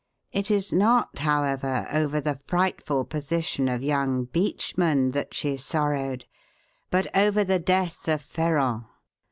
It is not, however, over the frightful position of young Beachman that she sorrowed, but over the death of Ferrand.